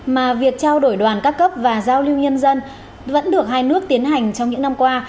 mà việc trao đổi đoàn các cấp và giao lưu nhân dân vẫn được hai nước tiến hành trong những năm qua